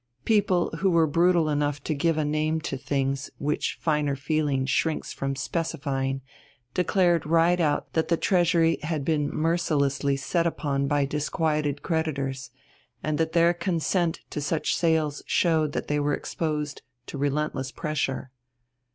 People who were brutal enough to give a name to things which finer feeling shrinks from specifying, declared right out that the Treasury had been mercilessly set on by disquieted creditors, and that their consent to such sales showed that they were exposed to relentless pressure.